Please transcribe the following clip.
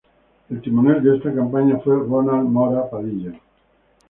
El timonel de esa campaña fue Ronald Mora Padilla.